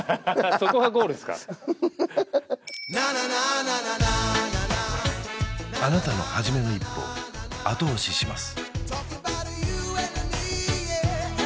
そこがゴールすかあなたのはじめの一歩を後押しします